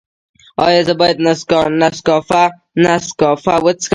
ایا زه باید نسکافه وڅښم؟